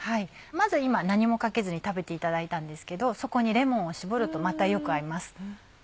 まず今何もかけずに食べていただいたんですけどそこにレモンを搾るとまたよく合います。